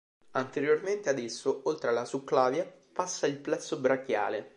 Anteriormente ad esso, oltre alla succlavia, passa il plesso brachiale.